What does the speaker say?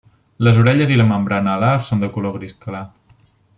Les orelles i la membrana alar són de color gris clar.